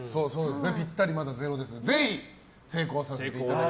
ピッタリはまだゼロですのでぜひ成功させていただいて。